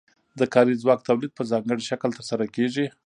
د کاري ځواک تولید په ځانګړي شکل ترسره کیږي.